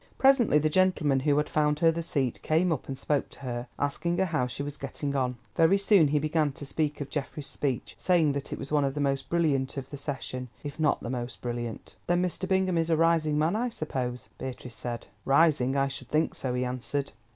Presently the gentleman who had found her the seat came up and spoke to her, asking her how she was getting on. Very soon he began to speak of Geoffrey's speech, saying that it was one of the most brilliant of the session, if not the most brilliant. "Then Mr. Bingham is a rising man, I suppose?" Beatrice said. "Rising? I should think so," he answered.